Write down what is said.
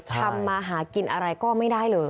ทำมาหากินอะไรก็ไม่ได้เลย